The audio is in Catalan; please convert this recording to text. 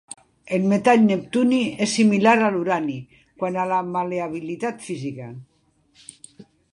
El metall neptuni és similar a l'urani quant a la mal·leabilitat física.